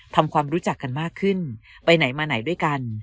ทำความรู้จักกันมากขึ้นไปไหนมาไหนด้วยกัน